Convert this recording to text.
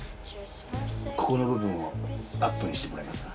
ここの部分をアップにしてもらえますか？